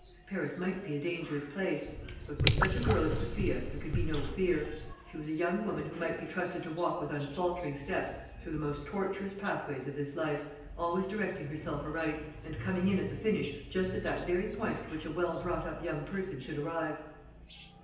Paris might be a dangerous place; but with such, a girl as Sophia, there could be no fear; she was a young woman who might be trusted to walk with unfaltering steps through the most tortuous pathways of this life, always directing herself aright, and coming in at the finish just at that very point at which a well brought up young person should arrive.